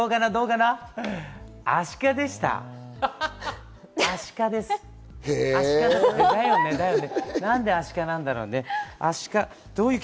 なんでアシカなんだろうね。